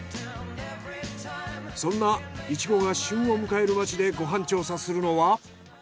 そんなイチゴが旬を迎える街でご飯調査するのは。